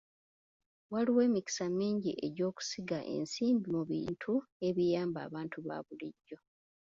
Waliwo emikisa mingi egy'okusiga ensimbi mu bintu ebiyamba abantu ba bulijjo.